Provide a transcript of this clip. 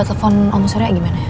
telepon om surya gimana